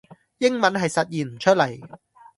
英文係實現唔出嚟